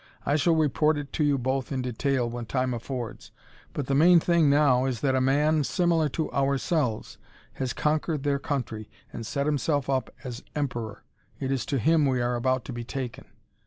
I shall report it to you both, in detail, when time affords. But the main thing now is that a man similar to ourselves has conquered their country and set himself up as emperor. It is to him we are about to be taken."